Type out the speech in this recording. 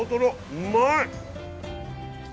うまい！